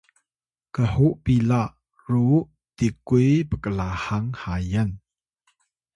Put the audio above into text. khu pila ru tikuy pklahang hayan